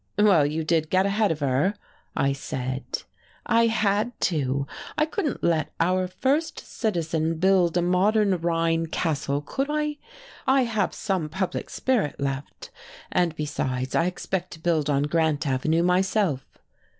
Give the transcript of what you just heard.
"Well, you did get ahead of her," I said. "I had to. I couldn't let our first citizen build a modern Rhine castle, could I? I have some public spirit left. And besides, I expect to build on Grant Avenue myself."